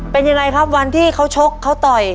เป็นยังไงครับวันที่เขาชกเขาต่อย